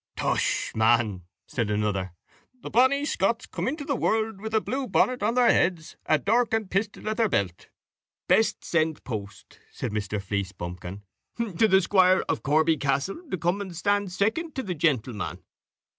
"Tush, man," said another, "the bonny Scots come into the world with the blue bonnet on their heads, and dirk and pistol at their belt." "Best send post," said Mr. Fleecebumpkin, "to the squire of Corby Castle, to come and stand second to the gentleman."